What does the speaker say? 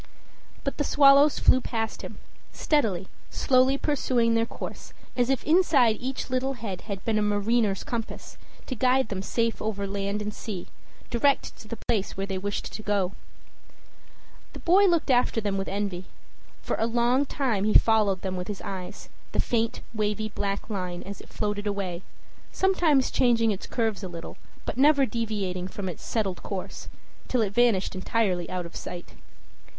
But the swallows flew past him steadily, slowly pursuing their course as if inside each little head had been a mariner's compass, to guide them safe over land and sea, direct to the place where they wished to go. The boy looked after them with envy. For a long time he followed with his eyes the faint, wavy black line as it floated away, sometimes changing its curves a little, but never deviating from its settled course, till it vanished entirely out of sight.